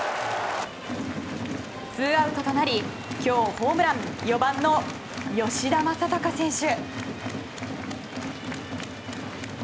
ツーアウトとなり今日、ホームラン４番の吉田正尚選手。